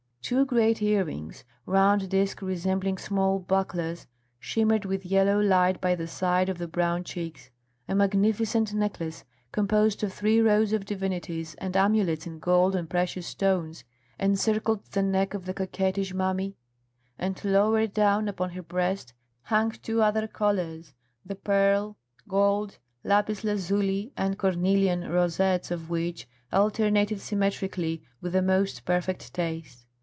Two great earrings, round discs resembling small bucklers, shimmered with yellow light by the side of the brown cheeks. A magnificent necklace, composed of three rows of divinities and amulets in gold and precious stones, encircled the neck of the coquettish mummy, and lower down upon her breast hung two other collars, the pearl, gold, lapis lazuli, and cornelian rosettes of which alternated symmetrically with the most perfect taste.